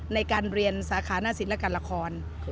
ในการเรียนสาขาหน้าศิลปการละคร